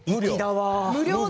無料で？